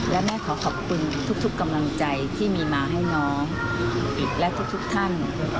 และแม่ขอขอบคุณทุกกำลังใจที่มีมาให้น้องอิตและทุกท่าน